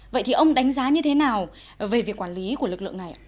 vậy thì ông đánh giá như thế nào về việc quản lý của lực lượng này ạ